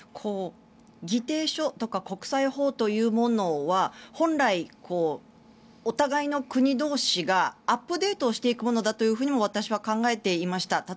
議定書とか国際法というものは本来、お互いの国同士がアップデートをしていくものだと私は考えていました。